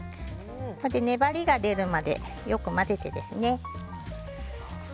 粘りが出るまでよく混ぜます。